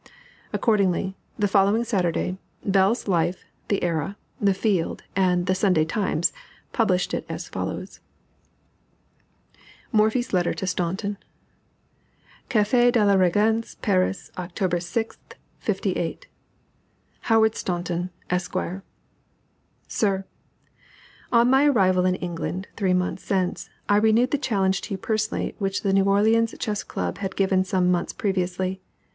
Accordingly, the following Saturday, Bell's Life, The Era, The Field, and the Sunday Times published it as follows: MORPHY'S LETTER TO STAUNTON. CAFE DE LA REGENCE, PARIS, Oct. 6, '58. HOWARD STAUNTON, ESQ.: SIR, On my arrival in England, three months since, I renewed the challenge to you personally which the New Orleans Chess Club had given some months previously.